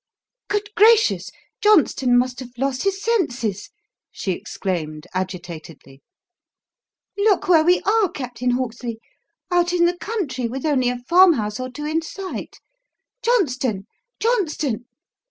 "Good gracious! Johnston must have lost his senses!" she exclaimed agitatedly. "Look where we are, Captain Hawksley! out in the country with only a farmhouse or two in sight. Johnston! Johnston!"